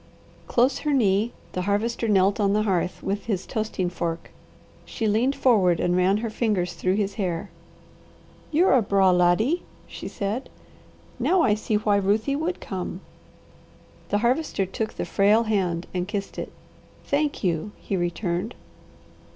Close her knee the Harvester knelt on the hearth with his toasting fork. She leaned forward and ran her fingers through his hair. "You're a braw laddie," she said. "Now I see why Ruthie WOULD come." The Harvester took the frail hand and kissed it. "Thank you!" he returned.